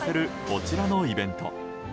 こちらのイベント。